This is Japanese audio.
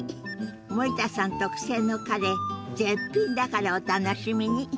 森田さん特製のカレー絶品だからお楽しみに。